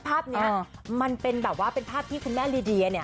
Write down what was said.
ภาพนี้มันเป็นแบบว่าเป็นภาพที่คุณแม่ลีเดียเนี่ย